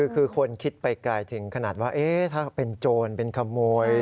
คือคนคิดไปไกลถึงขนาดว่าถ้าเป็นโจรเป็นขโมย